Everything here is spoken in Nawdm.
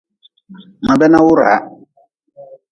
Ma bana wura.